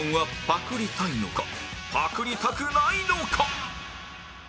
パクりたくないのか？